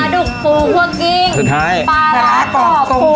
ปลาดุกครูพวกกลิ้งน้ำปลาดักปลาเหลือกออก